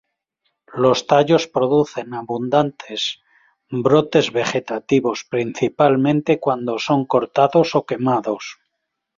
Los tallos producen abundantes brotes vegetativos, principalmente cuando son cortados o quemados.